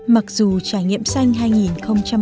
mặc dù trải nghiệm sen hai nghìn một mươi tám